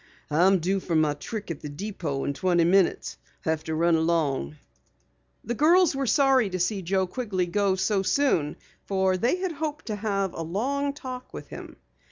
"I'm due for my trick at the Depot in twenty minutes. Have to run along." The girls were sorry to see Joe Quigley go so soon for they had hoped to have a long talk with him.